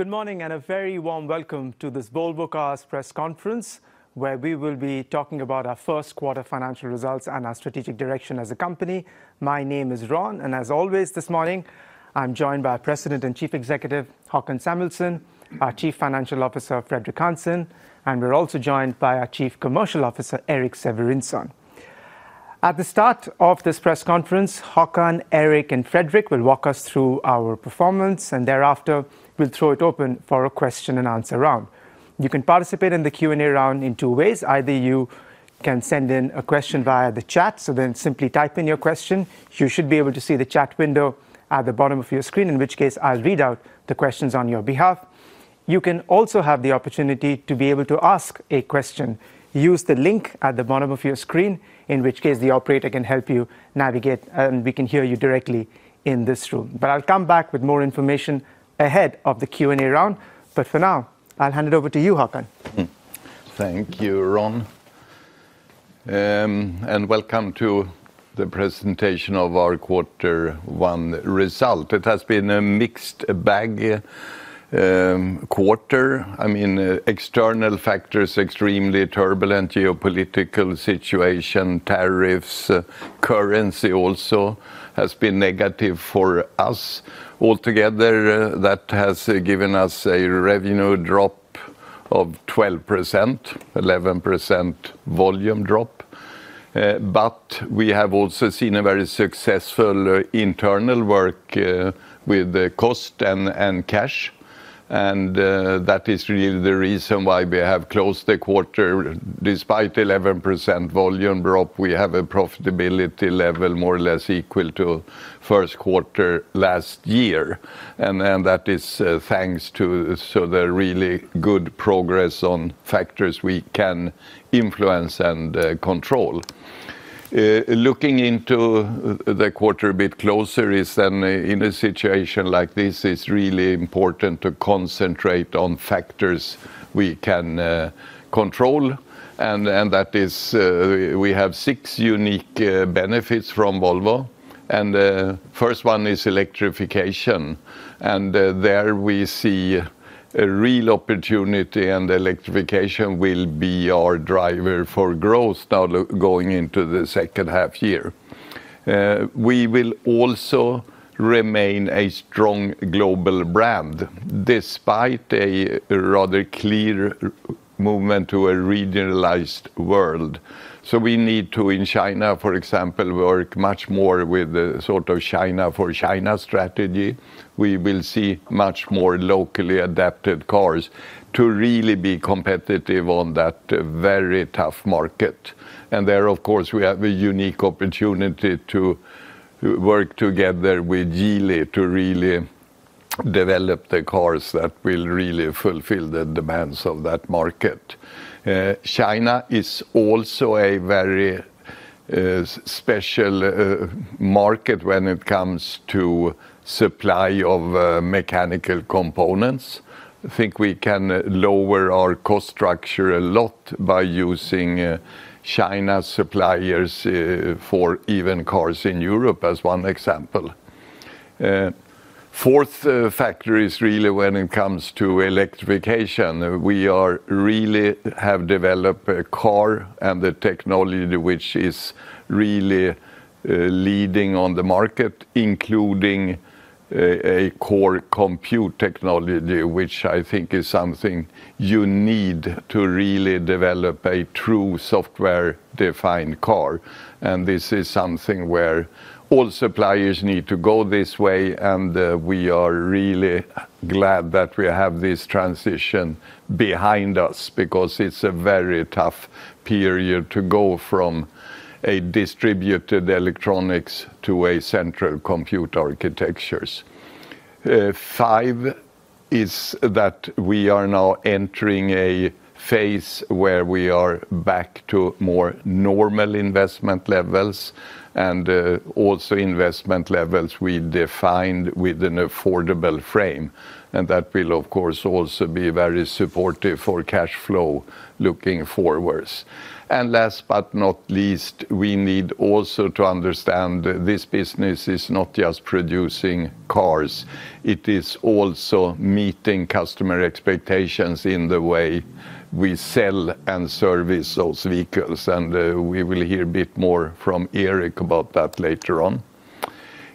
Good morning, a very warm welcome to this Volvo Cars press conference, where we will be talking about our first quarter financial results and our strategic direction as a company. My name is Ron, and as always, this morning, I'm joined by our President and Chief Executive, Håkan Samuelsson, our Chief Financial Officer, Fredrik Hansson, and we're also joined by our Chief Commercial Officer, Erik Severinson. At the start of this press conference, Håkan, Erik, and Fredrik will walk us through our performance, and thereafter we'll throw it open for a question and answer round. You can participate in the Q&A round in 2 ways, either you can send in a question via the chat, simply type in your question. You should be able to see the chat window at the bottom of your screen, in which case I'll read out the questions on your behalf. You can also have the opportunity to be able to ask a question. Use the link at the bottom of your screen, in which case the operator can help you navigate and we can hear you directly in this room. I'll come back with more information ahead of the Q&A round. For now, I'll hand it over to you, Håkan. Thank you, Ron. Welcome to the presentation of our quarter one result. It has been a mixed bag quarter. I mean, external factors, extremely turbulent geopolitical situation, tariffs, currency also has been negative for us. Altogether, that has given us a revenue drop of 12%, 11% volume drop. We have also seen a very successful internal work with the cost and cash, and that is really the reason why we have closed the quarter. Despite 11% volume drop, we have a profitability level more or less equal to first quarter last year. That is thanks to, so the really good progress on factors we can influence and control. Looking into the quarter a bit closer is then in a situation like this, it's really important to concentrate on factors we can control, and that is, we have six unique benefits from Volvo, and the first one is electrification. There we see a real opportunity, and electrification will be our driver for growth now going into the second half year. We will also remain a strong global brand despite a rather clear movement to a regionalized world. We need to, in China, for example, work much more with the sort of China for China strategy. We will see much more locally adapted cars to really be competitive on that very tough market. There, of course, we have a unique opportunity to work together with Geely to really develop the cars that will really fulfill the demands of that market. China is also a very special market when it comes to supply of mechanical components. I think we can lower our cost structure a lot by using China suppliers for even cars in Europe as one example. Fourth factor is really when it comes to electrification. We are really have developed a car and the technology which is really leading on the market, including a core compute technology, which I think is something you need to really develop a true software-defined car. This is something where all suppliers need to go this way, and we are really glad that we have this transition behind us because it's a very tough period to go from a distributed electronics to a central compute architectures. Five is that we are now entering a phase where we are back to more normal investment levels and also investment levels we defined with an affordable frame. That will, of course, also be very supportive for cash flow looking forwards. Last but not least, we need also to understand this business is not just producing cars. It is also meeting customer expectations in the way we sell and service those vehicles, and we will hear a bit more from Erik about that later on.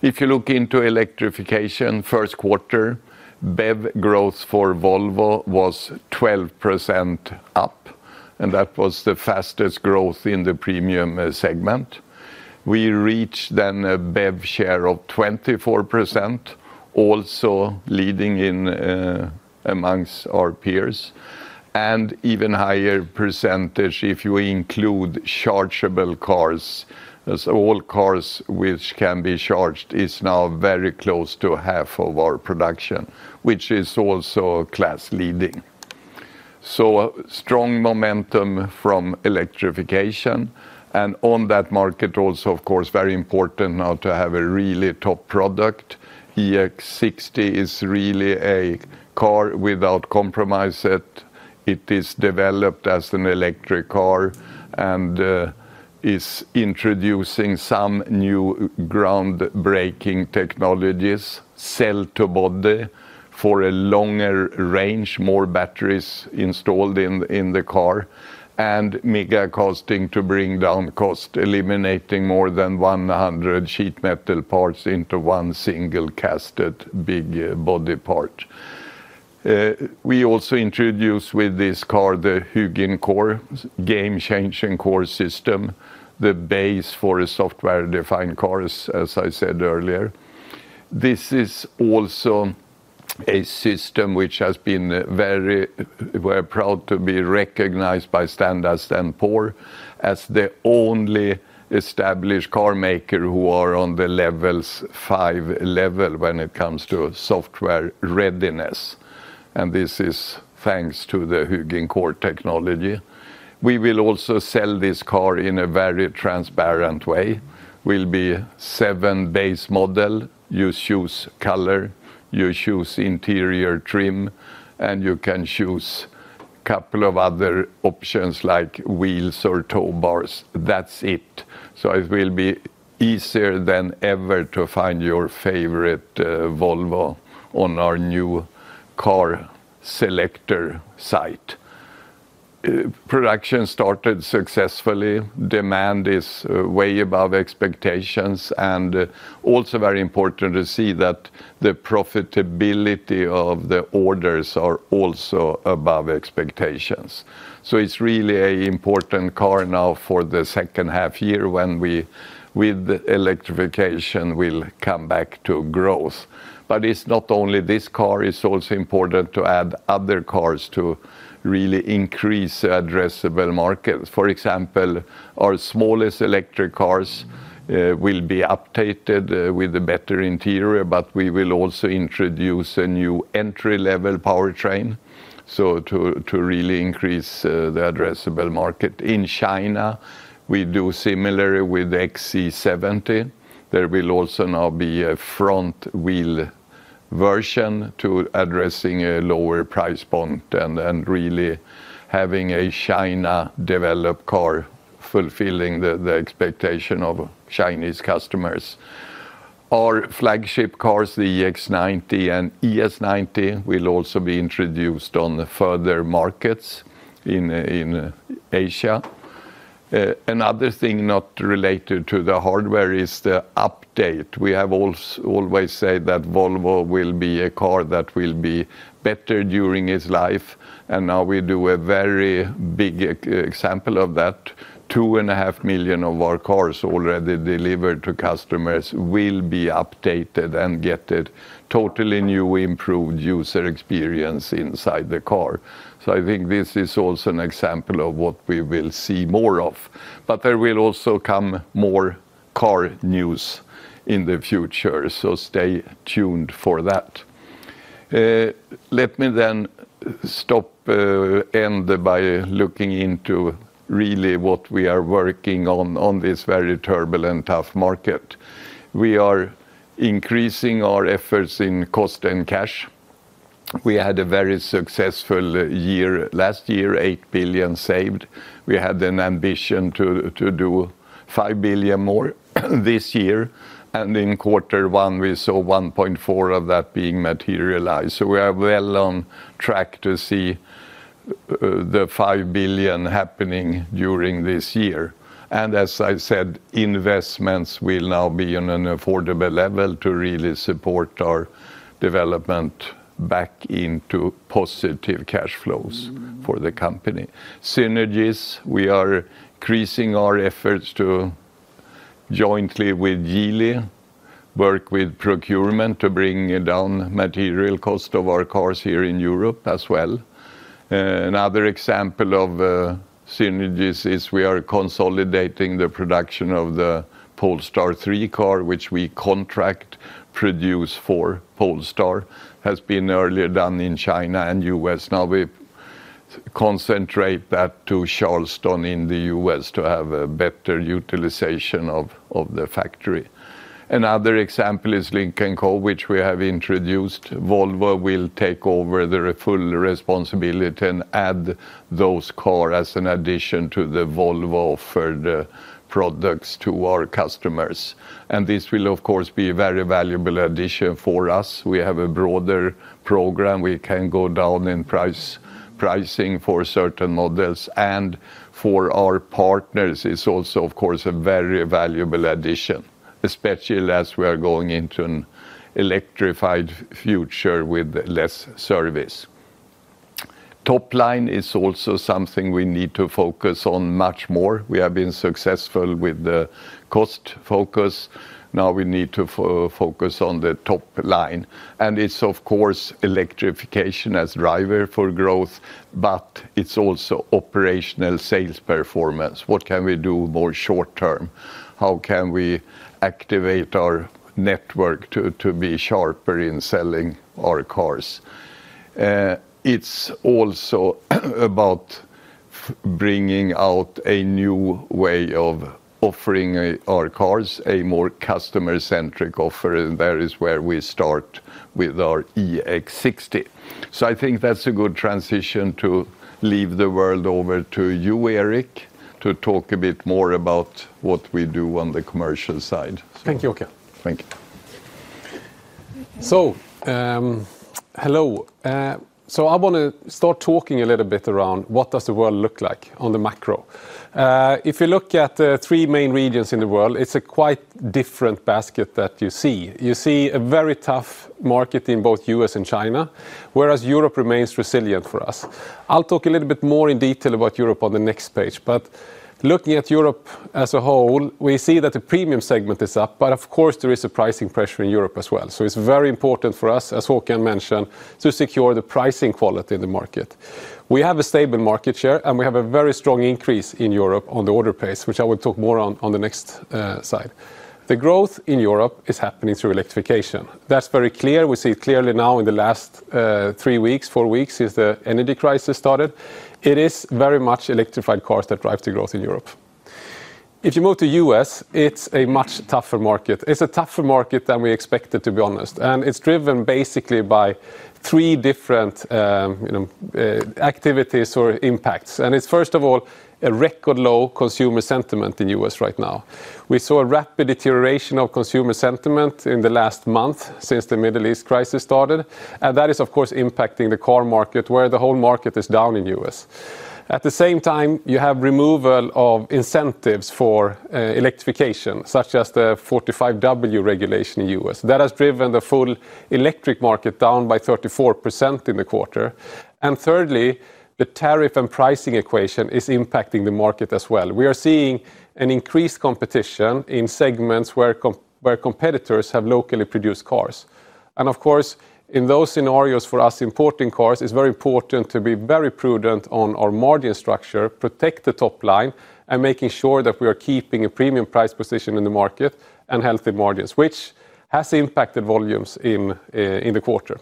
If you look into electrification, first quarter, BEV growth for Volvo was 12% up, and that was the fastest growth in the premium segment. We reached then a BEV share of 24%, also leading amongst our peers, and even higher percentage if you include chargeable cars. All cars which can be charged is now very close to half of our production, which is also class leading. Strong momentum from electrification. On that market also, of course, very important now to have a really top product. EX60 is really a car without compromise. It is developed as an electric car and is introducing some new groundbreaking technologies. Cell-to-body for a longer range, more batteries installed in the car, and megacasting to bring down cost, eliminating more than 100 sheet metal parts into one single casted big body part. We also introduce with this car the HuginCore, game-changing core system, the base for a software-defined cars, as I said earlier. This is also a system which has been recognized by Standard & Poor as the only established car maker who are on the levels five level when it comes to software readiness, this is thanks to the HuginCore technology. We will also sell this car in a very transparent way. Will be seven base model. You choose color, you choose interior trim, you can choose couple of other options like wheels or tow bars. That's it. It will be easier than ever to find your favorite Volvo on our new car selector site. Production started successfully. Demand is way above expectations, and also very important to see that the profitability of the orders are also above expectations. It's really a important car now for the second half year when we, with electrification, will come back to growth. It's not only this car, it's also important to add other cars to really increase addressable markets. For example, our smallest electric cars will be updated with a better interior, but we will also introduce a new entry-level powertrain, to really increase the addressable market. In China, we do similar with XC70. There will also now be a front wheel version to addressing a lower price point and really having a China-developed car fulfilling the expectation of Chinese customers. Our flagship cars, the EX90 and ES90, will also be introduced on further markets in Asia. Another thing not related to the hardware is the update. We have always said that Volvo will be a car that will be better during its life, and now we do a very big example of that. 2.5 million of our cars already delivered to customers will be updated and get a totally new improved user experience inside the car. I think this is also an example of what we will see more of. There will also come more car news in the future, so stay tuned for that. Let me stop, end by looking into really what we are working on this very turbulent, tough market. We are increasing our efforts in cost and cash. We had a very successful year last year, 8 billion saved. We had an ambition to do 5 billion more this year. In Quarter 1, we saw 1.4 of that being materialized. We are well on track to see the 5 billion happening during this year. As I said, investments will now be on an affordable level to really support our development back into positive cash flows for the company. Synergies, we are increasing our efforts to jointly with Geely, work with procurement to bring down material cost of our cars here in Europe as well. Another example of synergies is we are consolidating the production of the Polestar 3 car, which we contract produce for Polestar, has been earlier done in China and U.S. Now we concentrate that to Charleston in the U.S. to have a better utilization of the factory. Another example is Lynk & Co, which we have introduced. Volvo will take over the full responsibility, add those cars as an addition to the Volvo for the products to our customers. This will, of course, be a very valuable addition for us. We have a broader program. We can go down in price, pricing for certain models. For our partners, it's also, of course, a very valuable addition, especially as we are going into an electrified future with less service. Top line is also something we need to focus on much more. We have been successful with the cost focus. Now we need to focus on the top line. It's, of course, electrification as driver for growth, but it's also operational sales performance. What can we do more short term? How can we activate our network to be sharper in selling our cars? It's also about bringing out a new way of offering our cars a more customer-centric offer, and that is where we start with our EX60. I think that's a good transition to leave the world over to you, Erik, to talk a bit more about what we do on the commercial side. Thank you, Håkan. Thank you. Hello. I want to start talking a little bit around what does the world look like on the macro. If you look at the three main regions in the world, it's a quite different basket that you see. You see a very tough market in both U.S. and China, whereas Europe remains resilient for us. I'll talk a little bit more in detail about Europe on the next page. Looking at Europe as a whole, we see that the premium segment is up, but of course there is a pricing pressure in Europe as well. It's very important for us, as Håkan mentioned, to secure the pricing quality in the market. We have a stable market share, and we have a very strong increase in Europe on the order pace, which I will talk more on the next slide. The growth in Europe is happening through electrification. That's very clear. We see it clearly now in the last three weeks, four weeks since the energy crisis started. It is very much electrified cars that drive the growth in Europe. If you move to U.S., it's a much tougher market. It's a tougher market than we expected, to be honest, it's driven basically by three different, you know, activities or impacts. It's first of all, a record low consumer sentiment in U.S. right now. We saw a rapid deterioration of consumer sentiment in the last month since the Middle East crisis started, that is, of course, impacting the car market where the whole market is down in U.S. At the same time, you have removal of incentives for electrification, such as the Section 45W regulation in U.S. That has driven the full electric market down by 34% in the quarter. Thirdly, the tariff and pricing equation is impacting the market as well. We are seeing an increased competition in segments where competitors have locally produced cars. Of course, in those scenarios, for us importing cars, it's very important to be very prudent on our margin structure, protect the top line, and making sure that we are keeping a premium price position in the market and healthy margins, which has impacted volumes in the quarter.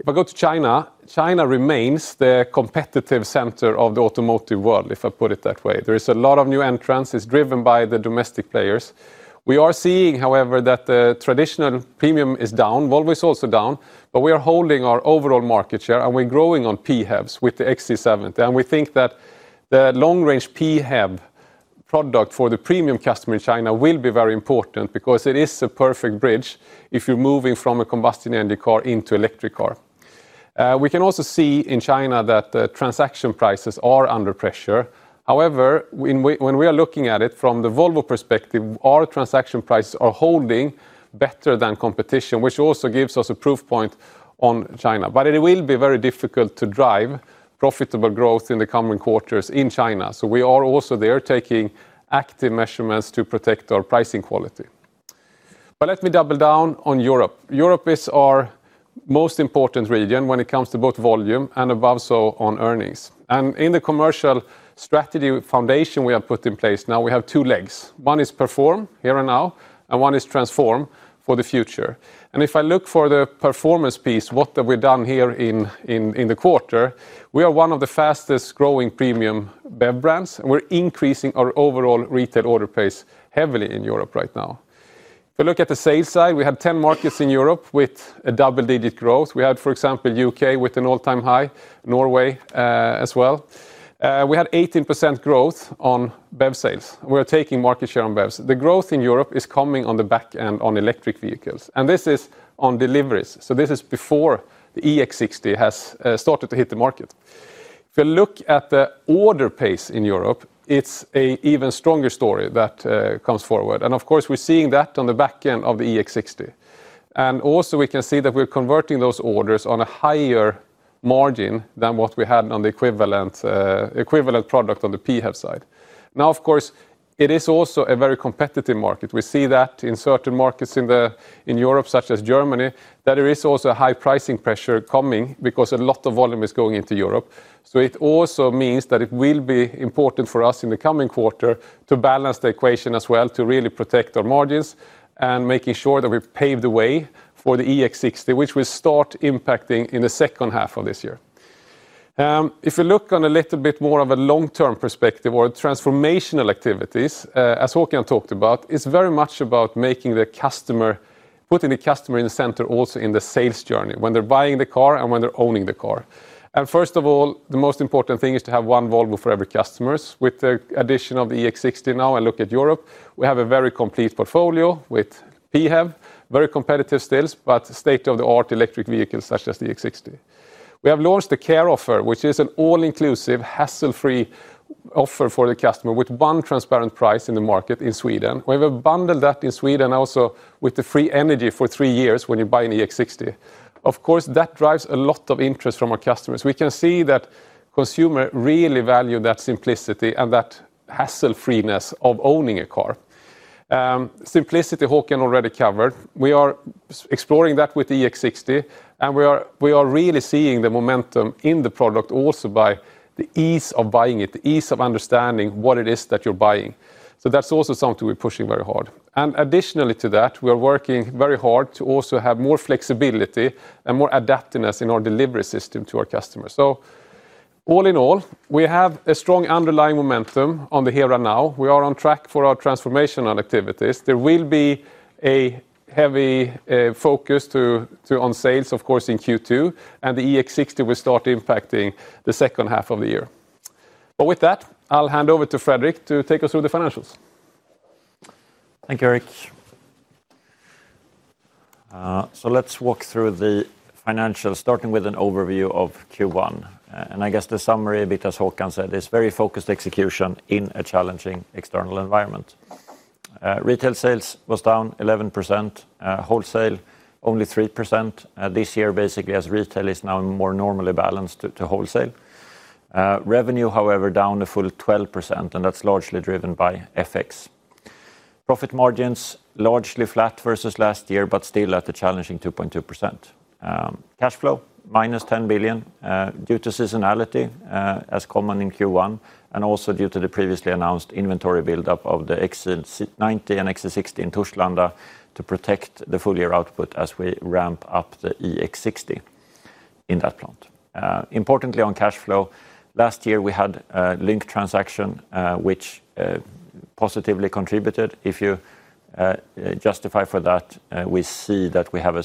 If I go to China remains the competitive center of the automotive world, if I put it that way. There is a lot of new entrants. It's driven by the domestic players. We are seeing, however, that the traditional premium is down. Volvo is also down. We are holding our overall market share, and we're growing on PHEVs with the XC70. We think that the long-range PHEV product for the premium customer in China will be very important because it is the perfect bridge if you're moving from a combustion engine car into electric car. We can also see in China that the transaction prices are under pressure. However, when we are looking at it from the Volvo perspective, our transaction prices are holding better than competition, which also gives us a proof point on China. It will be very difficult to drive profitable growth in the coming quarters in China. We are also there taking active measurements to protect our pricing quality. Let me double down on Europe. Europe is our most important region when it comes to both volume and above so on earnings. In the commercial strategy foundation we have put in place now, we have two legs. One is perform, here and now, and one is transform, for the future. If I look for the performance piece, what have we done here in the quarter? We are one of the fastest-growing premium BEV brands, and we're increasing our overall retail order pace heavily in Europe right now. If we look at the sales side, we have 10 markets in Europe with a double-digit growth. We had, for example, U.K. with an all-time high. Norway as well. We had 18% growth on BEV sales. We're taking market share on BEVs. The growth in Europe is coming on the back end on electric vehicles, and this is on deliveries. This is before the EX60 has started to hit the market. If you look at the order pace in Europe, it's a even stronger story that comes forward. Of course, we're seeing that on the back end of the EX60. Also, we can see that we're converting those orders on a higher margin than what we had on the equivalent product on the PHEV side. Of course, it is also a very competitive market. We see that in certain markets in Europe such as Germany, that there is also a high pricing pressure coming because a lot of volume is going into Europe. It also means that it will be important for us in the coming quarter to balance the equation as well to really protect our margins and making sure that we've paved the way for the EX60, which will start impacting in the second half of this year. If you look on a little bit more of a long-term perspective or transformational activities, as Håkan talked about, it's very much about making the customer, putting the customer in the center also in the sales journey, when they're buying the car and when they're owning the car. First of all, the most important thing is to have 1 Volvo for every customers. With the addition of the EX60 now, I look at Europe, we have a very complete portfolio with PHEV, very competitive stills, but state-of-the-art electric vehicles such as the EX60. We have launched the Care Offer, which is an all-inclusive, hassle-free offer for the customer with one transparent price in the market in Sweden. We have bundled that in Sweden also with the free energy for three years when you buy an EX60. Of course, that drives a lot of interest from our customers. We can see that consumer really value that simplicity and that hassle-freeness of owning a car. Simplicity Håkan already covered. We are exploring that with EX60, and we are really seeing the momentum in the product also by the ease of buying it, the ease of understanding what it is that you're buying. Additionally to that, we are working very hard to also have more flexibility and more adaptiveness in our delivery system to our customers. All in all, we have a strong underlying momentum on the here and now. We are on track for our transformational activities. There will be a heavy focus on sales, of course, in Q2, and the EX60 will start impacting the second half of the year. With that, I'll hand over to Fredrik to take us through the financials. Thank you, Erik. Let's walk through the financials, starting with an overview of Q1. I guess the summary, a bit as Håkan said, is very focused execution in a challenging external environment. Retail sales was down 11%. Wholesale only 3%. This year basically as retail is now more normally balanced to wholesale. Revenue, however, down a full 12%, and that's largely driven by FX. Profit margins largely flat versus last year, but still at a challenging 2.2%. Cash flow, minus 10 billion, due to seasonality, as common in Q1, and also due to the previously announced inventory buildup of the EX90 and EX60 in Torslanda to protect the full year output as we ramp up the EX60 in that plant. Importantly on cash flow, last year we had a Lynk transaction, which positively contributed. If you justify for that, we see that we have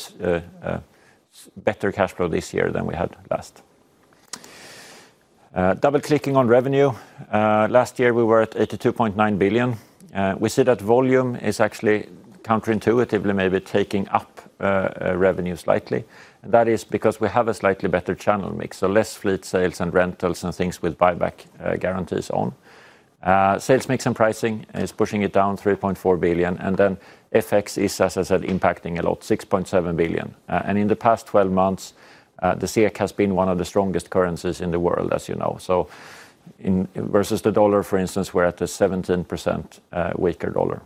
a better cash flow this year than we had last. Double-clicking on revenue, last year we were at 82.9 billion. We see that volume is actually counterintuitively maybe taking up revenue slightly. That is because we have a slightly better channel mix, so less fleet sales and rentals and things with buyback guarantees on. Sales mix and pricing is pushing it down 3.4 billion. FX is, as I said, impacting a lot, 6.7 billion. In the past 12 months, the SEK has been one of the strongest currencies in the world, as you know. In, versus the dollar, for instance, we're at a 17% weaker dollar.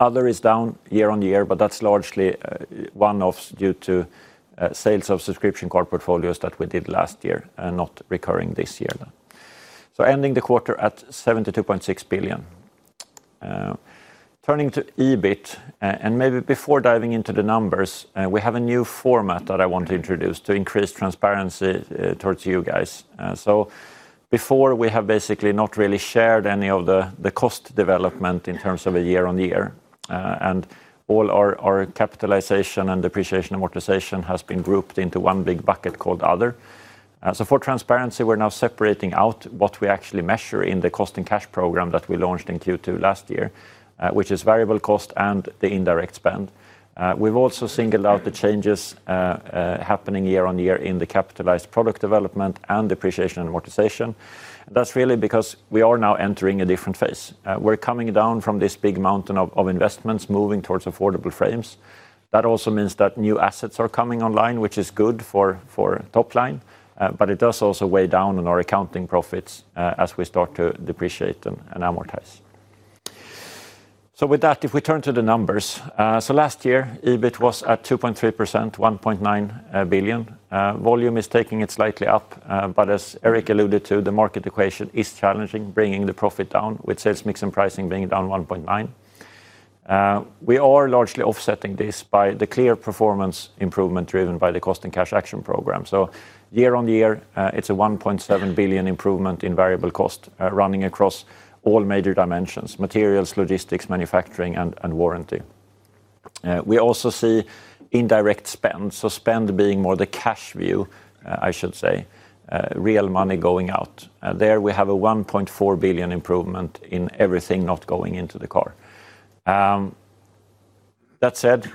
Other is down year on year, but that's largely one-offs due to sales of subscription car portfolios that we did last year and not recurring this year. Ending the quarter at 72.6 billion. Turning to EBIT, and maybe before diving into the numbers, we have a new format that I want to introduce to increase transparency towards you guys. Before we have basically not really shared any of the cost development in terms of a year on year. All our capitalization and depreciation amortization has been grouped into one big bucket called Other. For transparency, we're now separating out what we actually measure in the cost and cash program that we launched in Q2 last year, which is variable cost and the indirect spend. We've also singled out the changes happening year on year in the capitalized product development and Depreciation and Amortization. That's really because we are now entering a different phase. We're coming down from this big mountain of investments moving towards affordable frames. That also means that new assets are coming online, which is good for top line. It does also weigh down on our accounting profits as we start to depreciate them and amortize. With that, if we turn to the numbers. Last year, EBIT was at 2.3%, 1.9 billion. Volume is taking it slightly up, but as Erik alluded to, the market equation is challenging, bringing the profit down with sales mix and pricing being down 1.9. We are largely offsetting this by the clear performance improvement driven by the Cost and Cash Action Program. Year-over-year, it's a 1.7 billion improvement in variable cost, running across all major dimensions: materials, logistics, manufacturing, and warranty. We also see indirect spend being more the cash view, I should say, real money going out. There we have a 1.4 billion improvement in everything not going into the car. That said,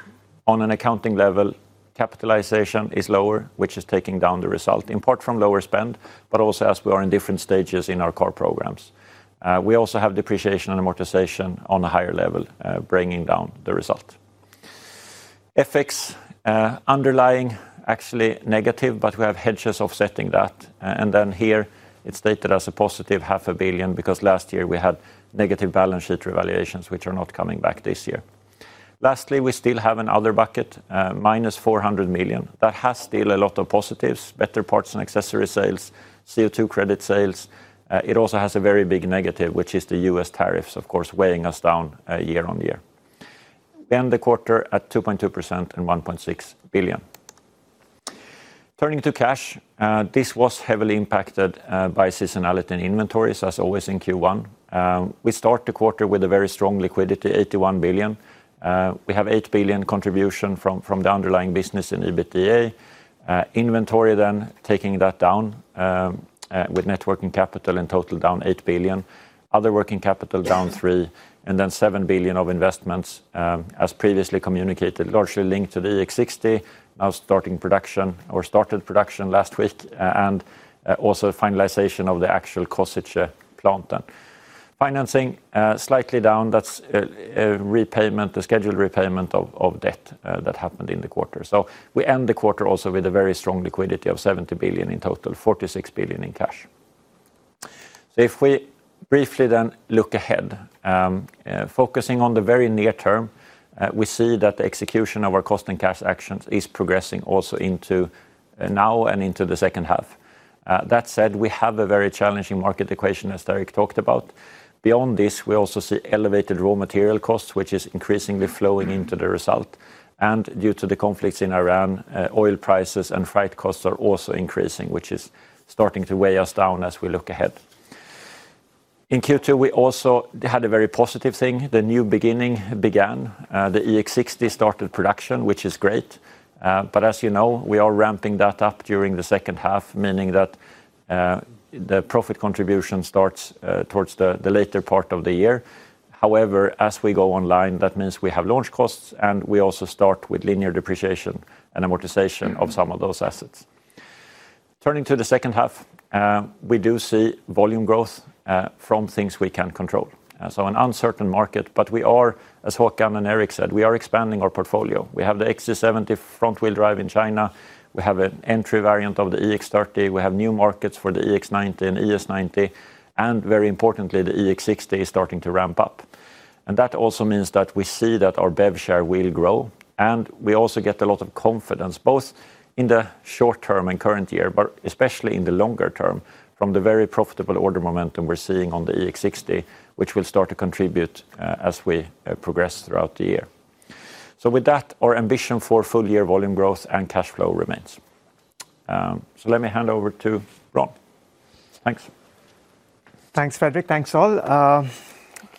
on an accounting level, capitalization is lower, which is taking down the result in part from lower spend, but also as we are in different stages in our car programs. We also have depreciation and amortization on a higher level, bringing down the result. FX, underlying actually negative. We have hedges offsetting that. Here it's stated as a positive 0.5 billion. Last year we had negative balance sheet revaluations which are not coming back this year. Lastly, we still have an other bucket, minus 400 million. That has still a lot of positives, better parts and accessory sales, CO2 credit sales. It also has a very big negative, which is the U.S. tariffs, of course, weighing us down year on year. End the quarter at 2.2% and 1.6 billion. Turning to cash, this was heavily impacted by seasonality and inventories, as always in Q1. We start the quarter with a very strong liquidity, 81 billion. We have 8 billion contribution from the underlying business in EBITDA. Inventory then taking that down with net working capital in total down 8 billion. Other working capital down 3 billion, and then 7 billion of investments, as previously communicated, largely linked to the EX60 now starting production or started production last week, and also finalization of the actual Košice plant then. Financing slightly down. That's a repayment, the scheduled repayment of debt, that happened in the quarter. We end the quarter also with a very strong liquidity of 70 billion in total, 46 billion in cash. If we briefly then look ahead, focusing on the very near term, we see that the execution of our cost and cash actions is progressing also into now and into the second half. That said, we have a very challenging market equation, as Erik talked about. Beyond this, we also see elevated raw material costs, which is increasingly flowing into the result. Due to the conflicts in Iran, oil prices and freight costs are also increasing, which is starting to weigh us down as we look ahead. In Q2, we also had a very positive thing. The new beginning began. The EX60 started production, which is great. As you know, we are ramping that up during the second half, meaning that the profit contribution starts towards the later part of the year. However, as we go online, that means we have launch costs, and we also start with linear depreciation and amortization of some of those assets. Turning to the second half, we do see volume growth from things we can control. An uncertain market, but we are, as Håkan and Erik said, we are expanding our portfolio. We have the XC70 front-wheel drive in China. We have an entry variant of the EX30. We have new markets for the EX90 and ES90, and very importantly, the EX60 is starting to ramp up. That also means that we see that our BEV share will grow, and we also get a lot of confidence, both in the short term and current year, but especially in the longer term, from the very profitable order momentum we're seeing on the EX60, which will start to contribute as we progress throughout the year. With that, our ambition for full-year volume growth and cash flow remains. Let me hand over to Ron. Thanks. Thanks, Fredrik. Thanks, all.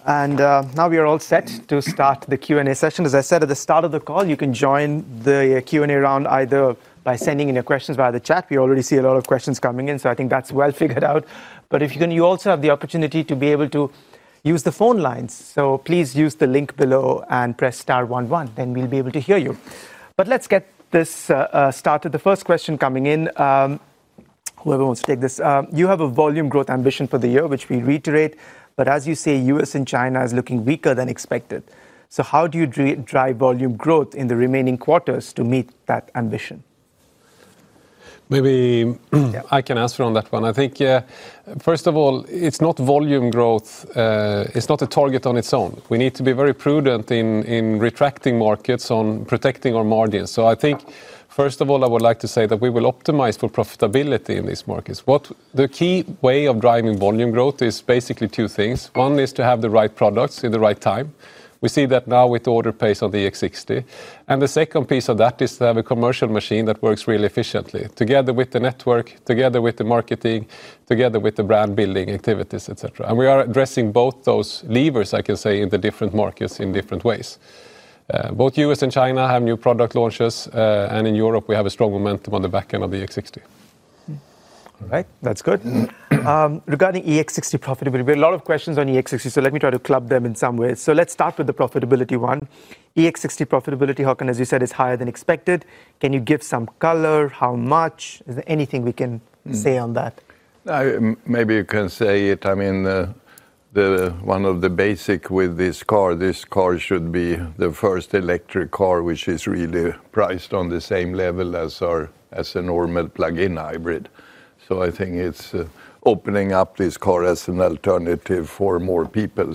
Now we are all set to start the Q&A session. As I said at the start of the call, you can join the Q&A round either by sending in your questions via the chat. We already see a lot of questions coming in, so I think that's well figured out. If you can, you also have the opportunity to be able to use the phone lines. Please use the link below and press star one-one, then we'll be able to hear you. Let's get this started. The first question coming in, whoever wants to take this. You have a volume growth ambition for the year, which we reiterate, as you say, U.S. and China is looking weaker than expected. How do you drive volume growth in the remaining quarters to meet that ambition? Maybe- Yeah I can answer on that one. I think, first of all, it's not volume growth. It's not a target on its own. We need to be very prudent in retracting markets on protecting our margins. I think, first of all, I would like to say that we will optimize for profitability in these markets. The key way of driving volume growth is basically two things. One is to have the right products at the right time. We see that now with order pace of the EX60. The second piece of that is to have a commercial machine that works really efficiently, together with the network, together with the marketing, together with the brand-building activities, et cetera. We are addressing both those levers, I can say, in the different markets in different ways. Both U.S. and China have new product launches, and in Europe, we have a strong momentum on the back end of the EX60. All right. That's good. Regarding EX60 profitability, we have a lot of questions on EX60. Let me try to club them in some ways. Let's start with the profitability one. EX60 profitability, Håkan, as you said, is higher than expected. Can you give some color? How much? Is there anything we can say on that? Maybe you can say it. I mean, one of the basics with this car, this car should be the first electric car which is really priced on the same level as a normal plug-in hybrid. I think it's opening up this car as an alternative for more people.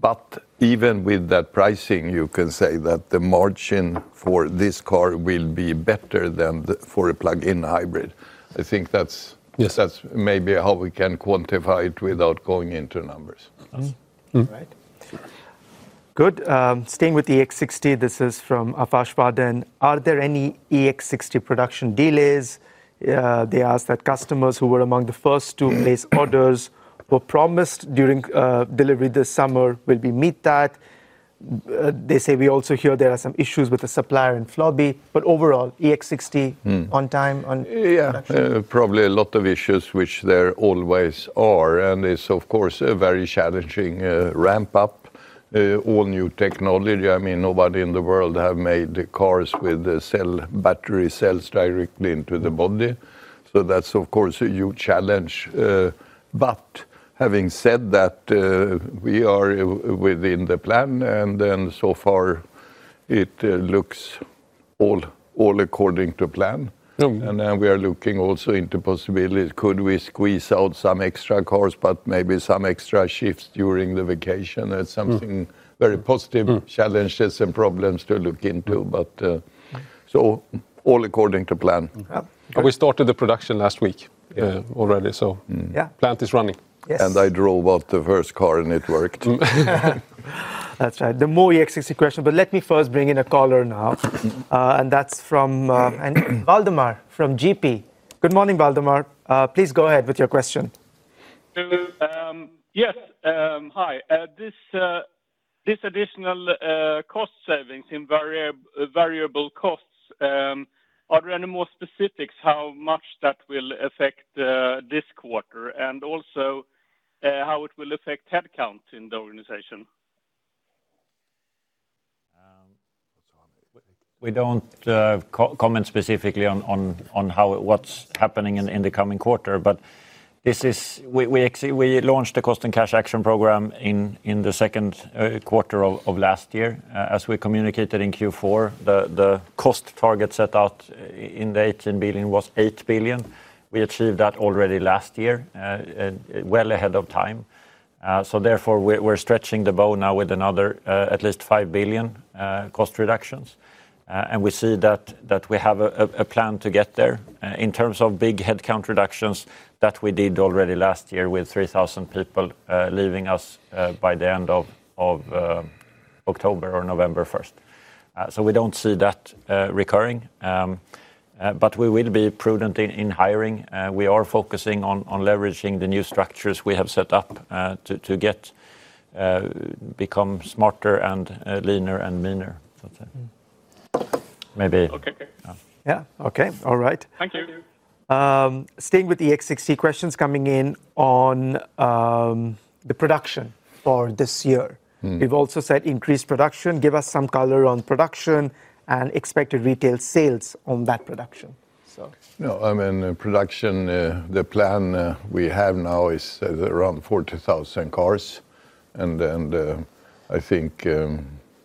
But even with that pricing, you can say that the margin for this car will be better than for a plug-in hybrid. I think that's- Yes That's maybe how we can quantify it without going into numbers. Mm-hmm. All right. Good. Staying with EX60, this is from Afash Vaden. Are there any EX60 production delays? They asked that customers who were among the first to place orders were promised during delivery this summer, will we meet that? They say we also hear there are some issues with the supplier in Floby, but overall, EX60- Mm on time, on production. Probably a lot of issues which there always are, and it's of course a very challenging ramp-up. All new technology. Nobody in the world have made the cars with the cell, battery cells directly into the body. That's, of course, a huge challenge. Having said that, we are within the plan, and then so far it looks all according to plan. Yeah. We are looking also into possibilities. Could we squeeze out some extra cars, but maybe some extra shifts during the vacation? Mm. Very positive challenges and problems to look into. All according to plan. Okay. We started the production last week, already. Yeah. Plant is running. I drove out the first car and it worked. That's right. The more EX60 question, but let me first bring in a caller now, and that's from Valdemar from Göteborgs-Posten. Good morning, Valdemar. Please go ahead with your question. Yes, hi. This, this additional cost savings in variable costs, are there any more specifics how much that will affect this quarter? Also, how it will affect headcount in the organization? We don't comment specifically on how what's happening in the coming quarter. We actually launched the cost and cash action program in the second quarter of last year. As we communicated in Q4, the cost target set out in 18 billion was 8 billion. We achieved that already last year, well ahead of time. Therefore, we're stretching the bow now with another at least 5 billion cost reductions. We see that we have a plan to get there. In terms of big headcount reductions, that we did already last year with 3,000 people leaving us by the end of. October or November 1st. We don't see that recurring. We will be prudent in hiring. We are focusing on leveraging the new structures we have set up to get become smarter and leaner and meaner. That's it. Mm-hmm. Maybe- Okay. Yeah. Yeah. Okay. All right. Thank you. Thank you. Staying with the EX60 questions coming in on the production for this year. Mm. You've also said increased production. Give us some color on production and expected retail sales on that production. No, I mean, production, the plan we have now is around 40,000 cars. I think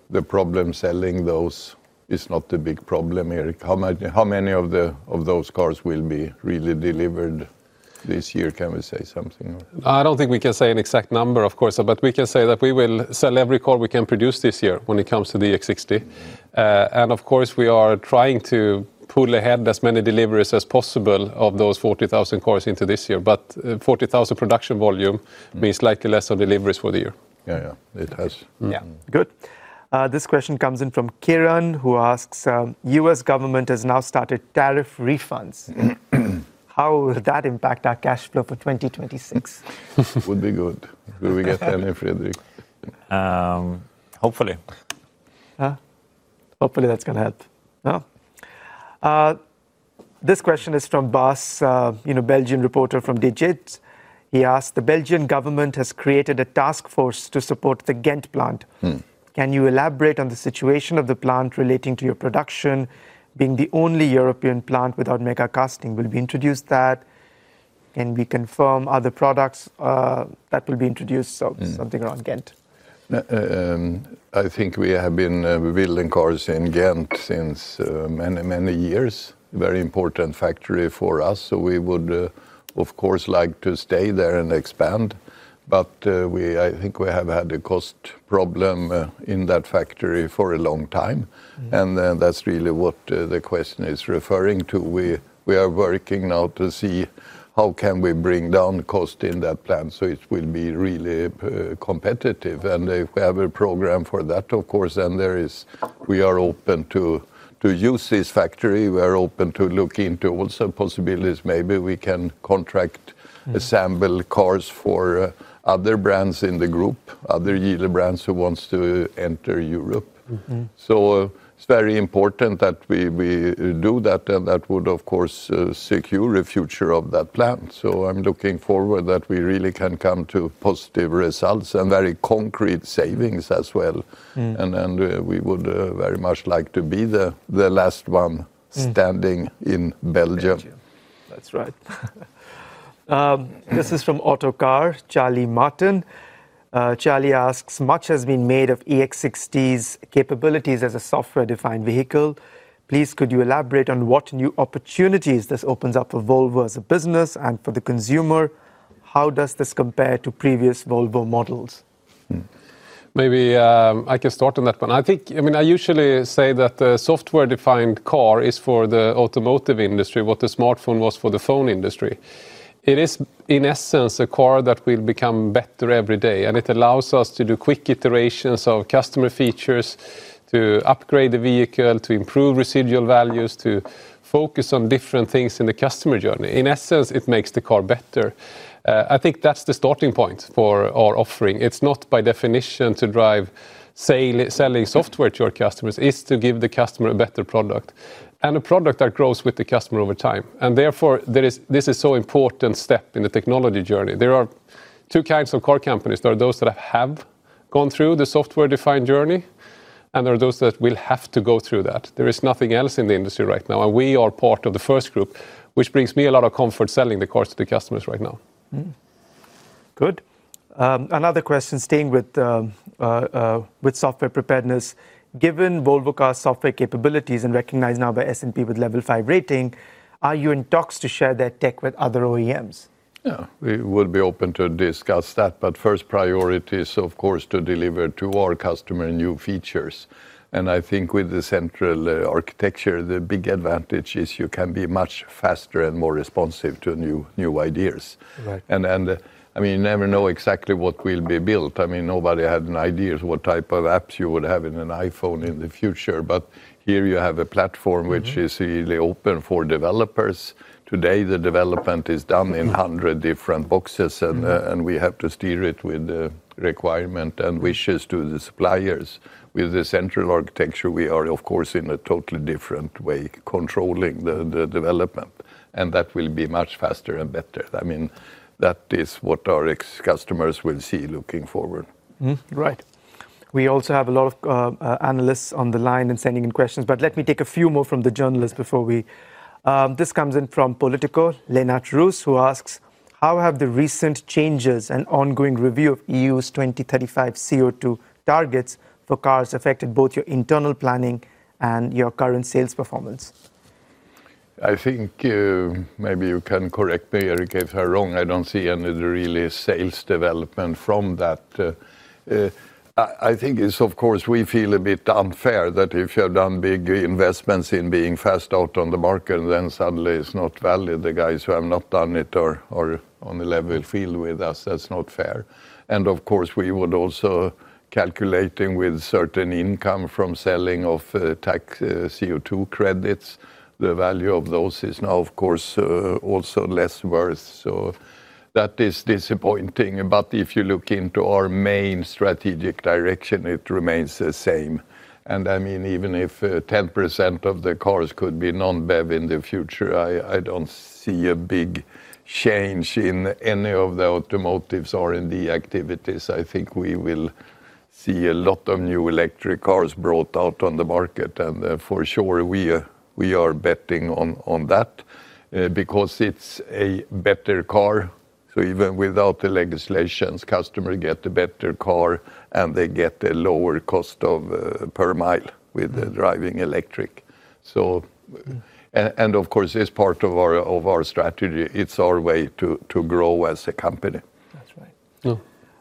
the problem selling those is not the big problem here. How much, how many of those cars will be really delivered this year? Can we say something or? I don't think we can say an exact number, of course. We can say that we will sell every car we can produce this year when it comes to the EX60. Mm. Of course, we are trying to pull ahead as many deliveries as possible of those 40,000 cars into this year. Mm But 40,00 production volume means likely less of deliveries for the year. Yeah, yeah. It has. Yeah. Good. This question comes in from Kieran, who asks, U.S. government has now started tariff refunds. Mm. How will that impact our cash flow for 2026? Would be good. Do we get any, Fredrik? Hopefully. Hopefully that's gonna help. No. This question is from Bas, you know, Belgian reporter from Digits. He asked, The Belgian government has created a task force to support the Ghent plant. Hmm. Can you elaborate on the situation of the plant relating to your production being the only European plant without megacasting? Will we introduce that? Can we confirm other products that will be introduced? Mm... around Ghent. I think we have been building cars in Ghent since many, many years. Very important factory for us. We would of course like to stay there and expand. I think we have had a cost problem in that factory for a long time. Mm. That's really what the question is referring to. We are working now to see how can we bring down cost in that plant so it will be really competitive. If we have a program for that, of course, then there is, we are open to use this factory. We're open to look into what's the possibilities. Mm assemble cars for other brands in the group, other Geely brands who wants to enter Europe. Mm-hmm. It's very important that we do that. That would, of course, secure a future of that plant. I'm looking forward that we really can come to positive results and very concrete savings as well. Mm. We would very much like to be the last one. Mm standing in Belgium. Belgium. That's right. This is from Autocar, Charlie Martin. Charlie asks, Much has been made of EX60's capabilities as a software-defined vehicle. Please could you elaborate on what new opportunities this opens up for Volvo as a business and for the consumer? How does this compare to previous Volvo models? Hmm. Maybe, I can start on that one. I mean, I usually say that the software-defined vehicle is for the automotive industry, what the smartphone was for the phone industry. It is, in essence, a car that will become better every day, and it allows us to do quick iterations of customer features, to upgrade the vehicle, to improve residual values, to focus on different things in the customer journey. In essence, it makes the car better. I think that's the starting point for our offering. It's not by definition to drive sale, selling software to your customers. It's to give the customer a better product, and a product that grows with the customer over time. Therefore, this is so important step in the technology journey. There are two kinds of car companies. There are those that have gone through the software-defined journey. There are those that will have to go through that. There is nothing else in the industry right now. We are part of the first group, which brings me a lot of comfort selling the cars to the customers right now. Good. Another question, staying with software preparedness, given Volvo Cars software capabilities and recognized now by S&P with level 5 rating, are you in talks to share that tech with other OEMs? Yeah. We would be open to discuss that, but first priority is, of course, to deliver to our customer new features. I think with the central architecture, the big advantage is you can be much faster and more responsive to new ideas. Right. I mean, you never know exactly what will be built. I mean, nobody had an idea what type of apps you would have in an iPhone in the future. Here you have a platform. Mm-hmm... which is really open for developers. Today, the development is done in 100 different boxes. Mm... and we have to steer it with the requirement and wishes to the suppliers. With the central architecture, we are of course, in a totally different way controlling the development, and that will be much faster and better. I mean, that is what our customers will see looking forward. Mm-hmm. Right. We also have a lot of analysts on the line and sending in questions. Let me take a few more from the journalists. This comes in from Politico, Lennart Ruus, who asks, How have the recent changes and ongoing review of EU's 2035 CO2 targets for cars affected both your internal planning and your current sales performance? I think, maybe you can correct me, Erik, if I'm wrong, I don't see any of the really sales development from that. I think it's, of course, we feel a bit unfair that if you have done big investments in being first out on the market, then suddenly it's not valid. The guys who have not done it are on a level field with us. That's not fair. Of course, we would also calculating with certain income from selling of tax CO2 credits. The value of those is now, of course, also less worth. That is disappointing. If you look into our main strategic direction, it remains the same. I mean even if 10% of the cars could be non-BEV in the future, I don't see a big change in any of the automotives R&D activities. I think we will see a lot of new electric cars brought out on the market. For sure we are betting on that because it's a better car. Even without the legislations, customer get a better car, and they get a lower cost of per mile with the driving electric. Of course, as part of our strategy, it's our way to grow as a company.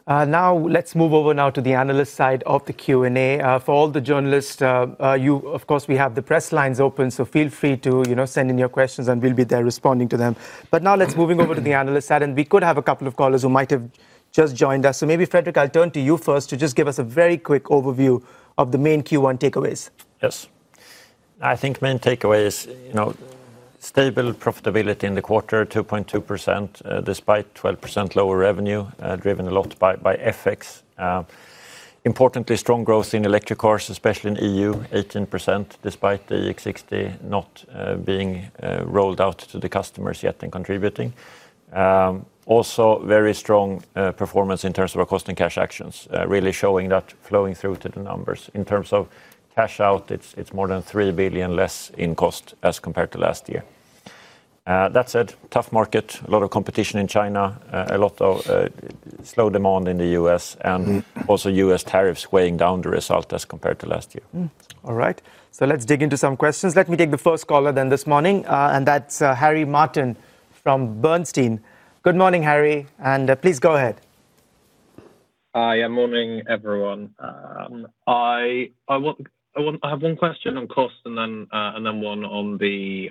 That's right. Mm. Now let's move over now to the analyst side of the Q&A. For all the journalists, of course, we have the press lines open, so feel free to, you know, send in your questions, and we'll be there responding to them. Now let's moving over to the analyst side. We could have a couple of callers who might have just joined us. Maybe Fredrik, I'll turn to you first to just give us a very quick overview of the main Q1 takeaways. Yes. I think main takeaway is, you know, stable profitability in the quarter, 2.2%, despite 12% lower revenue, driven a lot by FX. Importantly, strong growth in electric cars, especially in EU, 18%, despite the EX60 not being rolled out to the customers yet and contributing. Also very strong performance in terms of our cost and cash actions, really showing that flowing through to the numbers. In terms of cash out, it's more than 3 billion less in cost as compared to last year. That said, tough market, a lot of competition in China, a lot of slow demand in the U.S., and also U.S. tariffs weighing down the result as compared to last year. All right. Let's dig into some questions. Let me take the first caller then this morning, and that's Harry Martin from Bernstein. Good morning, Harry, and please go ahead. Hi, yeah, morning everyone. I have one question on cost and then one on the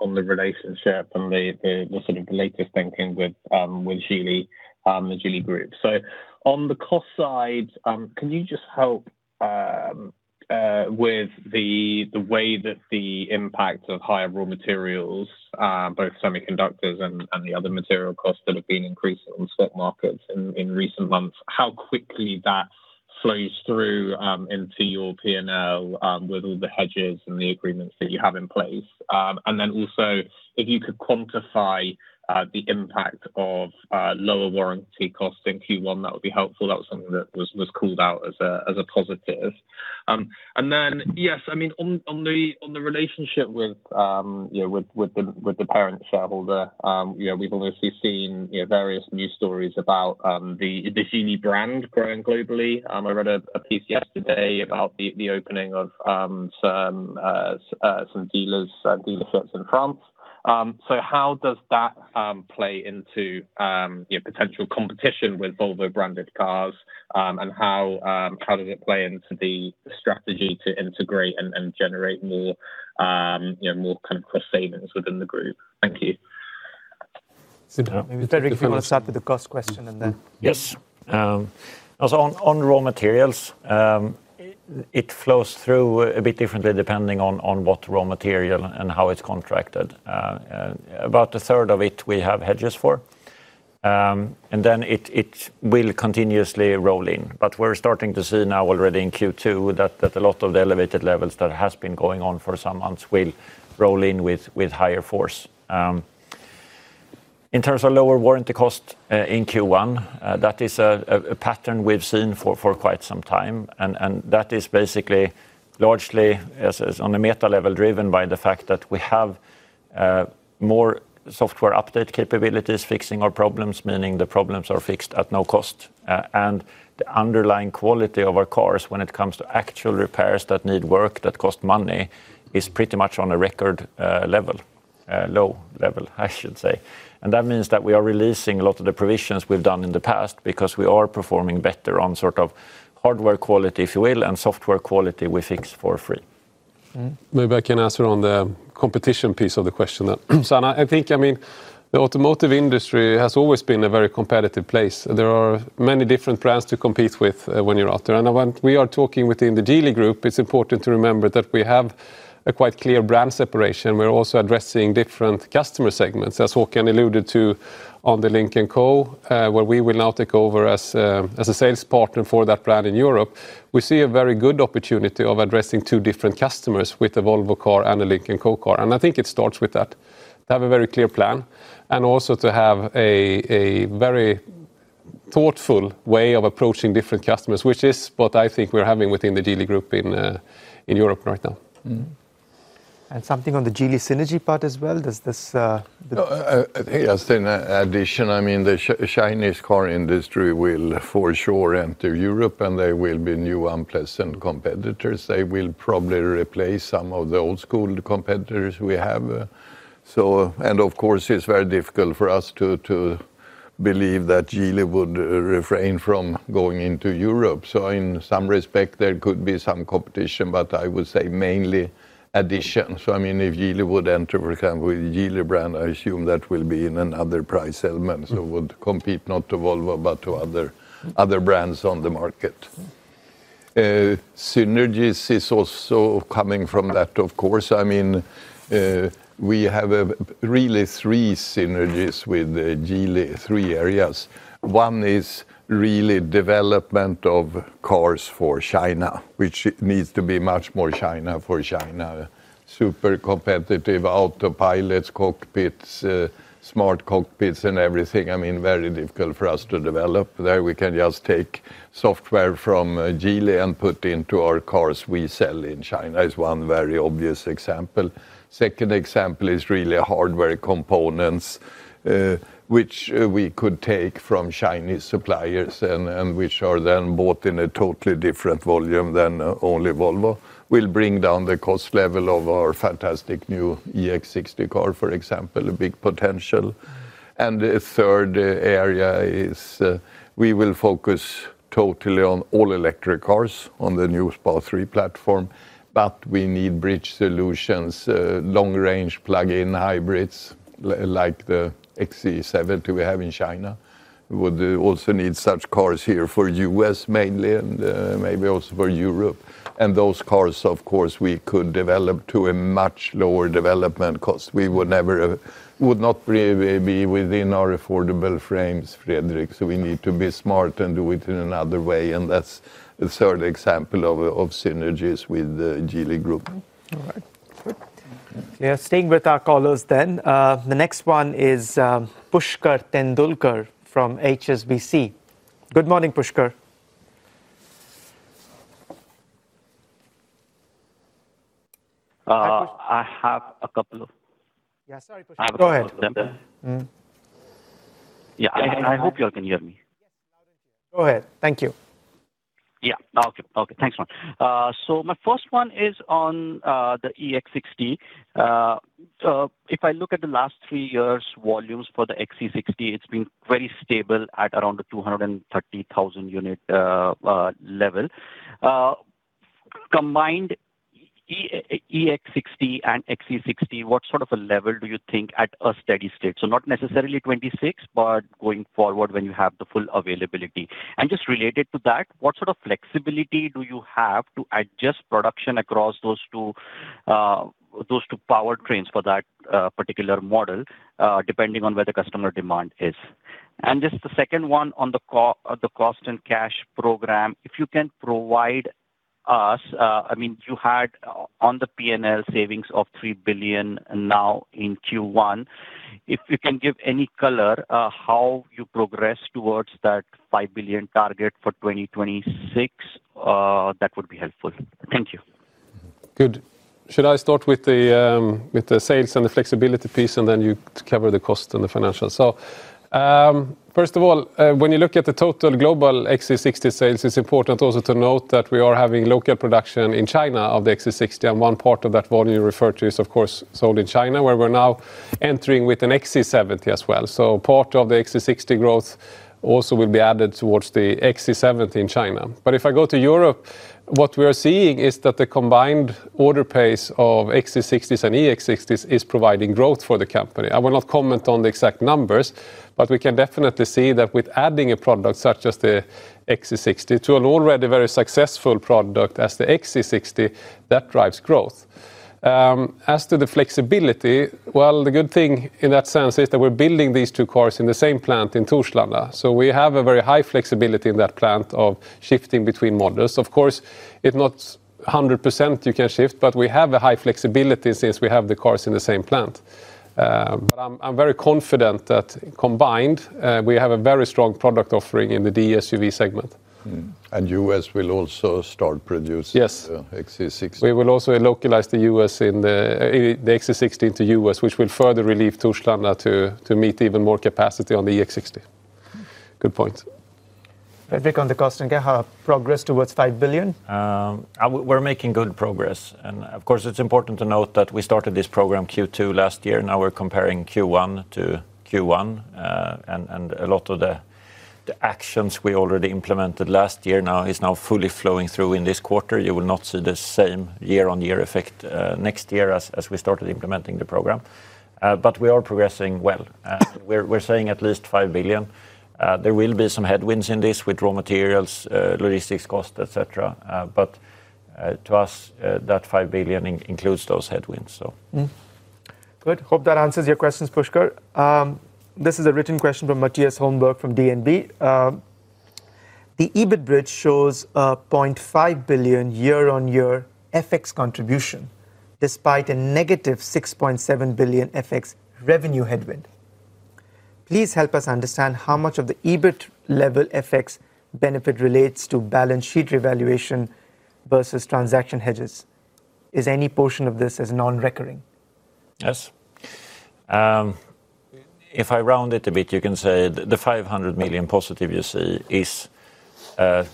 relationship and the sort of latest thinking with Geely, the Geely Holding. On the cost side, can you just help with the way that the impact of higher raw materials, both semiconductors and the other material costs that have been increasing on stock markets in recent months, how quickly that flows through into your P&L with all the hedges and the agreements that you have in place? And then also, if you could quantify the impact of lower warranty costs in Q1, that would be helpful. That was something that was called out as a positive. Yes, I mean, on the, on the relationship with, you know, with the, with the parent shareholder, you know, we've obviously seen, you know, various news stories about the Geely brand growing globally. I read a piece yesterday about the opening of some dealers, dealerships in France. How does that play into, you know, potential competition with Volvo-branded cars, and how does it play into the strategy to integrate and generate more, you know, more kind of cross-savings within the group? Thank you. Maybe Fredrik, you want to start with the cost question and then. Yes. On raw materials, it flows through a bit differently depending on what raw material and how it's contracted. About 1/3 of it we have hedges for. Then it will continuously roll in. We're starting to see now already in Q2 that a lot of the elevated levels that has been going on for some months will roll in with higher force. In terms of lower warranty cost in Q1, that is a pattern we've seen for quite some time, and that is basically largely, as is, on a meta level, driven by the fact that we have more software update capabilities fixing our problems, meaning the problems are fixed at no cost. The underlying quality of our cars when it comes to actual repairs that need work, that cost money, is pretty much on a record level, low level I should say. That means that we are releasing a lot of the provisions we've done in the past because we are performing better on sort of hardware quality, if you will, and software quality we fix for free. Maybe I can answer on the competition piece of the question then. I think, I mean, the automotive industry has always been a very competitive place. There are many different brands to compete with, when you're out there. When we are talking within the Geely Holding, it's important to remember that we have a quite clear brand separation. We're also addressing different customer segments. As Håkan alluded to on the Lynk & Co, where we will now take over as a sales partner for that brand in Europe. We see a very good opportunity of addressing two different customers with the Volvo car and a Lynk & Co car. I think it starts with that. To have a very clear plan and also to have a very thoughtful way of approaching different customers, which is what I think we're having within the Geely Holding in Europe right now. Mm-hmm. Something on the Geely synergy part as well? Does this. No, yes, in addition, I mean, the Chinese car industry will for sure enter Europe, and there will be new unpleasant competitors. They will probably replace some of the old-school competitors we have. Of course, it's very difficult for us to believe that Geely would refrain from going into Europe. In some respect, there could be some competition, but I would say mainly addition. I mean, if Geely would enter, for example, with Geely brand, I assume that will be in another price element. Mm-hmm... so would compete not to Volvo but to. Mm other brands on the market. Mm. Synergies is also coming from that, of course. I mean, we have really three synergies with Geely, three areas. One is really development of cars for China, which needs to be much more China for China. Super competitive autopilots, cockpits, smart cockpits and everything. I mean, very difficult for us to develop. There we can just take software from Geely and put into our cars we sell in China is one very obvious example. Second example is really hardware components, which we could take from Chinese suppliers and which are then bought in a totally different volume than only Volvo, will bring down the cost level of our fantastic new EX60 car, for example, a big potential. A third area is we will focus totally on all-electric cars on the new SPA3 platform, but we need bridge solutions, long-range plug-in hybrids like the XC70 we have in China. We would also need such cars here for U.S. mainly and maybe also for Europe. Those cars, of course, we could develop to a much lower development cost. We would not really be within our affordable frames, Fredrik. We need to be smart and do it in another way, and that's the third example of synergies with the Geely Group. All right. Good. Yeah, staying with our callers then. The next one is Pushkar Tendolkar from HSBC. Good morning, Pushkar. Uh- Hi, Pushkar.... I have a couple of- Yeah, sorry, Pushkar. Go ahead... I have a couple of them there. Mm. Yeah- Yeah I hope you all can hear me. Yes. Loud and clear. Go ahead. Thank you. Yeah. Okay. Okay. Thanks, man. My first one is on the EX60. If I look at the last 3 years' volumes for the XC60, it's been very stable at around the 230,000 unit level. Combined EX60 and XC60, what sort of a level do you think at a steady state? Not necessarily 2026, but going forward when you have the full availability. Just related to that, what sort of flexibility do you have to adjust production across those two powertrains for that particular model depending on where the customer demand is? Just the second one on the cost and cash program. If you can provide us, I mean, you had, on the P&L, savings of 3 billion now in Q1. If you can give any color, how you progress towards that 5 billion target for 2026, that would be helpful. Thank you. Mm-hmm. Good. Should I start with the with the sales and the flexibility piece, and then you cover the cost and the financials? First of all, when you look at the total global XC60 sales, it's important also to note that we are having local production in China of the XC60, and one part of that volume you referred to is, of course, sold in China, where we're now entering with an XC70 as well. Part of the XC60 growth also will be added towards the XC70 in China. If I go to Europe, what we are seeing is that the combined order pace of XC60s and EX60s is providing growth for the company. I will not comment on the exact numbers. We can definitely see that with adding a product such as the XC60 to an already very successful product as the XC60, that drives growth. As to the flexibility, well, the good thing in that sense is that we're building these two cars in the same plant in Torslanda. We have a very high flexibility in that plant of shifting between models. Of course, it not 100% you can shift, but we have a high flexibility since we have the cars in the same plant. I'm very confident that combined, we have a very strong product offering in the D-SUV segment. U.S. will also start. Yes XC60. We will also localize the U.S. in the XC60 to U.S., which will further relieve Torslanda to meet even more capacity on the EX60. Good point. Fredrik, on the cost and cash progress towards 5 billion. We are making good progress. Of course, it is important to note that we started this program Q2 last year. Now we are comparing Q1 to Q1. A lot of the actions we already implemented last year is now fully flowing through in this quarter. You will not see the same year-on-year effect next year as we started implementing the program. We are progressing well. We are saying at least 5 billion. There will be some headwinds in this with raw materials, logistics cost, et cetera. To us, that 5 billion includes those headwinds. Good. Hope that answers your questions, Pushkar. This is a written question from Mattias Holmberg from DNB. The EBIT bridge shows a 0.5 billion year-on-year FX contribution despite a negative 6.7 billion FX revenue headwind. Please help us understand how much of the EBIT level FX benefit relates to balance sheet revaluation versus transaction hedges. Is any portion of this as non-recurring? Yes. If I round it a bit, you can say the 500 million positive you see is a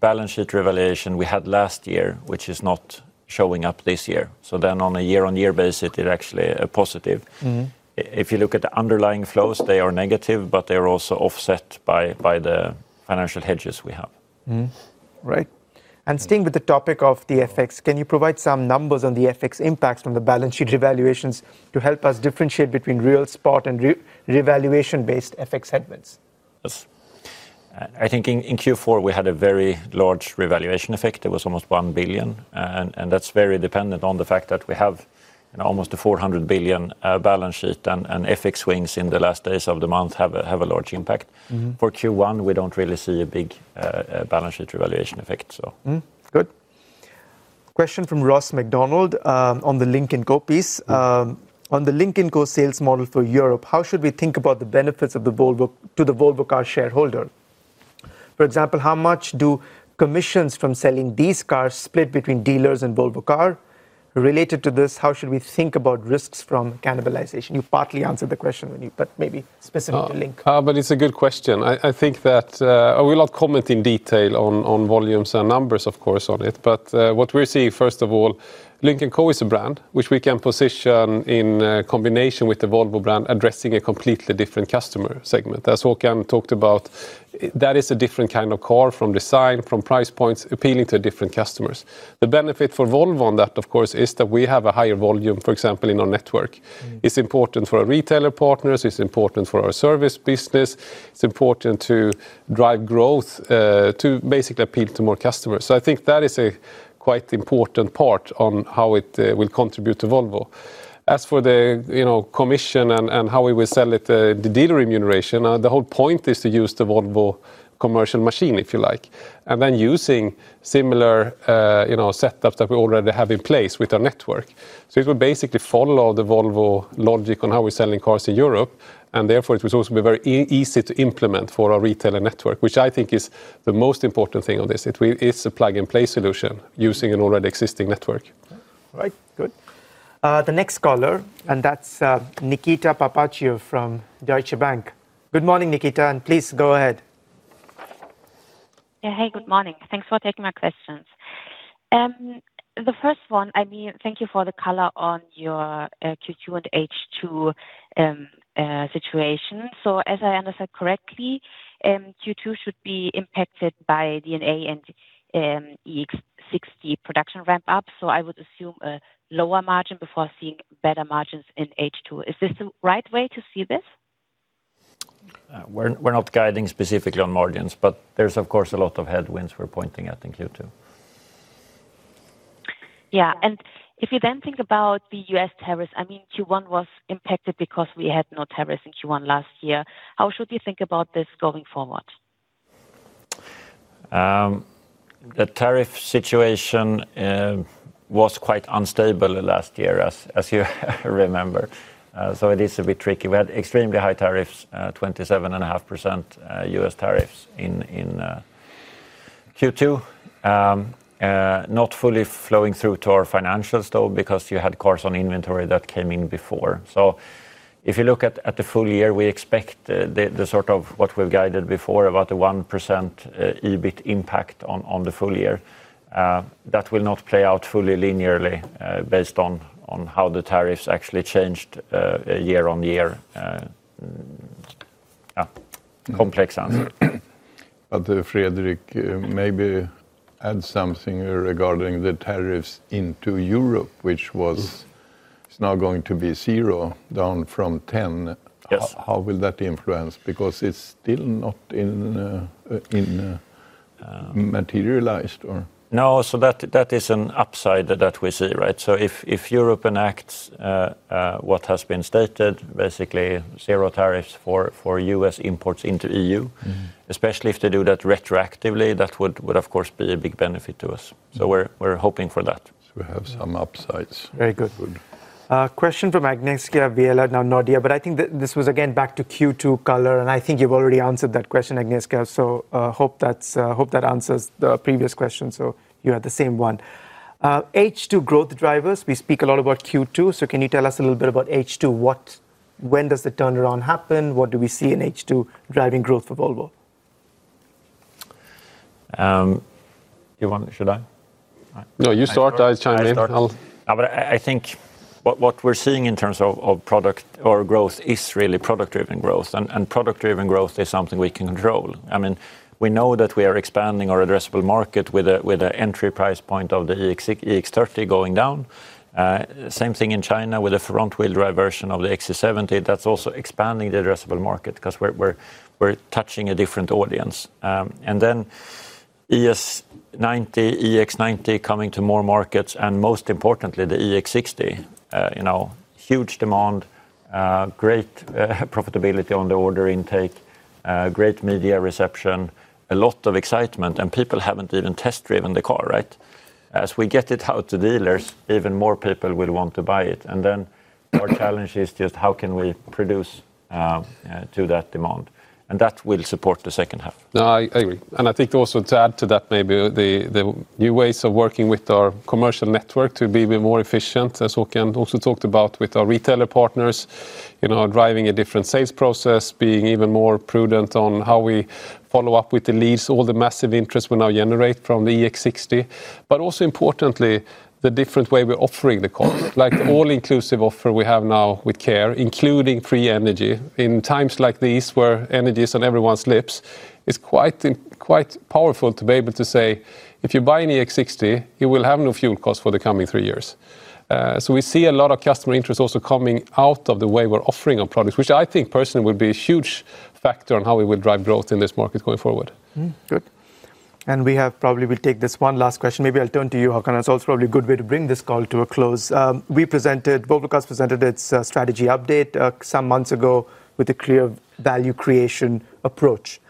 balance sheet revaluation we had last year, which is not showing up this year. On a year-on-year basis, it is actually a positive. Mm-hmm. if you look at the underlying flows, they are negative, but they are also offset by the financial hedges we have. Right. Staying with the topic of the FX, can you provide some numbers on the FX impacts from the balance sheet revaluations to help us differentiate between real spot and revaluation-based FX headwinds? Yes. I think in Q4 we had a very large revaluation effect. It was almost 1 billion. That's very dependent on the fact that we have, you know, almost a 400 billion balance sheet. FX swings in the last days of the month have a large impact. Mm-hmm. For Q1, we don't really see a big balance sheet revaluation effect. Mm-hmm. Good. Question from Ross MacDonald, on the Lynk & Co piece. On the Lynk & Co sales model for Europe, how should we think about the benefits of the Volvo, to the Volvo Cars shareholder? For example, how much do commissions from selling these cars split between dealers and Volvo Cars? Related to this, how should we think about risks from cannibalization? You partly answered the question when you, but maybe specific to Lynk. It's a good question. I think that I will not comment in detail on volumes and numbers, of course, on it. What we're seeing, first of all, Lynk & Co is a brand which we can position in combination with the Volvo brand, addressing a completely different customer segment. As Håkan talked about, that is a different kind of car from design, from price points, appealing to different customers. The benefit for Volvo on that, of course, is that we have a higher volume, for example, in our network. Mm-hmm. It's important for our retailer partners. It's important for our service business. It's important to drive growth, to basically appeal to more customers. I think that is a quite important part on how it will contribute to Volvo. As for the, you know, commission and how we will sell it, the dealer remuneration, the whole point is to use the Volvo commercial machine, if you like. Using similar, you know, setup that we already have in place with our network. It will basically follow the Volvo logic on how we're selling cars in Europe, and therefore it will also be very easy to implement for our retailer network, which I think is the most important thing on this. It's a plug-and-play solution using an already existing network. Right. Good. The next caller, and that's Nikita Papaccio from Deutsche Bank. Good morning, Nikita, and please go ahead. Yeah. Hey, good morning. Thanks for taking my questions. The first one, I mean, thank you for the color on your Q2 and H2 situation. As I understand correctly, Q2 should be impacted by D&A and EX60 production ramp up. I would assume a lower margin before seeing better margins in H2. Is this the right way to see this? We're not guiding specifically on margins, but there's of course a lot of headwinds we're pointing at in Q2. Yeah. If you then think about the U.S. tariffs, I mean, Q1 was impacted because we had no tariffs in Q1 last year. How should we think about this going forward? The tariff situation was quite unstable last year as you remember. It is a bit tricky. We had extremely high tariffs, 27.5%, U.S. tariffs in Q2. Not fully flowing through to our financials though, because you had cars on inventory that came in before. If you look at the full year, we expect the sort of what we've guided before, about a 1% EBIT impact on the full year. That will not play out fully linearly, based on how the tariffs actually changed year on year. Yeah, complex answer. Mm-hmm. Fredrik, maybe add something regarding the tariffs into Europe. It's now going to be zero, down from 10%. Yes. How will that influence? It's still not in materialized. That is an upside that we see, right? If Europe enacts what has been stated, basically zero tariffs for U.S. imports into EU. Mm-hmm... especially if they do that retroactively, that would of course be a big benefit to us. Mm-hmm. We're hoping for that. We have some upsides. Very good. Good. Question from Agnieszka Vilela now Nordea, but I think this was again back to Q2 color, and I think you've already answered that question, Agnieszka. Hope that's, hope that answers the previous question. You had the same one. H2 growth drivers. We speak a lot about Q2. Can you tell us a little bit about H2? When does the turnaround happen? What do we see in H2 driving growth for Volvo? You want or should I? No, you start. I chime in. I start. I think what we're seeing in terms of product or growth is really product-driven growth. Product-driven growth is something we can control. I mean, we know that we are expanding our addressable market with a entry price point of the EX30 going down. Same thing in China with a front-wheel drive version of the EX70. That's also expanding the addressable market, 'cause we're touching a different audience. ES90, EX90 coming to more markets, and most importantly, the EX60. You know, huge demand, great profitability on the order intake. Great media reception, a lot of excitement, and people haven't even test-driven the car, right? As we get it out to dealers, even more people will want to buy it. Then our challenge is just how can we produce to that demand. That will support the second half. No, I agree. I think also to add to that maybe, the new ways of working with our commercial network to be a bit more efficient, as Håkan also talked about with our retailer partners. You know, driving a different sales process, being even more prudent on how we follow up with the leads, all the massive interest we now generate from the EX60. Also importantly, the different way we're offering the car. Like the all-inclusive offer we have now with Care, including free energy. In times like these where energy's on everyone's lips, it's quite powerful to be able to say, "If you buy an EX60, you will have no fuel costs for the coming three years." We see a lot of customer interest also coming out of the way we're offering our products, which I think personally will be a huge factor on how we will drive growth in this market going forward. Good. We have, probably we'll take this one last question. Maybe I'll turn to you, Håkan. It's also probably a good way to bring this call to a close. Volvo Cars presented its strategy update some months ago with a clear value creation approach.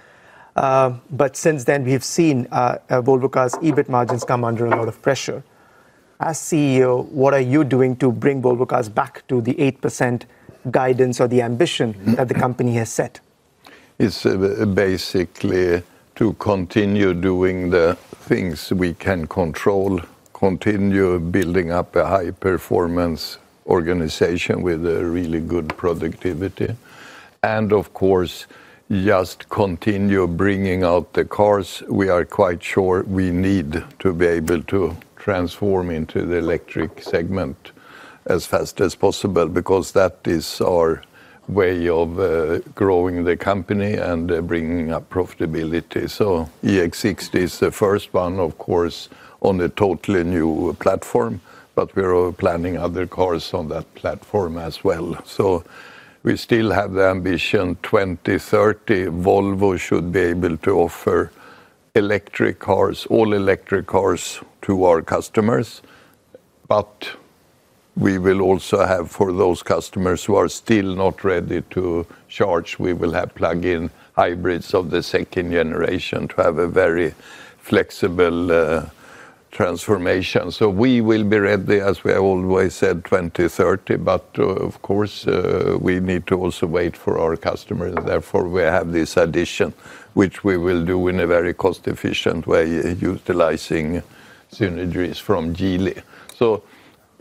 Since then we've seen Volvo Cars' EBIT margins come under a lot of pressure. As CEO, what are you doing to bring Volvo Cars back to the 8% guidance or the ambition that the company has set? It's basically to continue doing the things we can control, continue building up a high-performance organization with a really good productivity. Of course, just continue bringing out the cars we are quite sure we need to be able to transform into the electric segment as fast as possible because that is our way of growing the company and bringing up profitability. EX60 is the first one, of course, on a totally new platform, but we are planning other cars on that platform as well. We still have the ambition 2030, Volvo should be able to offer electric cars, all-electric cars, to our customers. We will also have for those customers who are still not ready to charge, we will have plug-in hybrids of the second generation to have a very flexible transformation. We will be ready, as we always said, 2030. Of course, we need to also wait for our customers, therefore we have this addition, which we will do in a very cost-efficient way, utilizing synergies from Geely.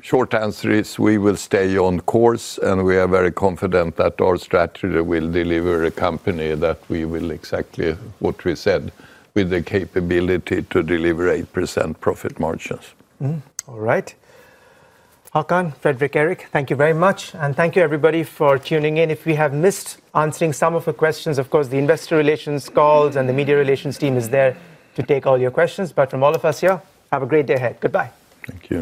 Short answer is we will stay on course, and we are very confident that our strategy will deliver a company that we will exactly what we said, with the capability to deliver 8% profit margins. All right. Håkan, Fredrik, Erik, thank you very much. Thank you everybody for tuning in. If we have missed answering some of the questions, of course the investor relations calls and the media relations team is there to take all your questions. From all of us here, have a great day ahead. Goodbye. Thank you.